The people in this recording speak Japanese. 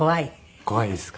怖いですか？